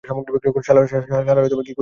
শালারা কী করেছি ওর সাথে!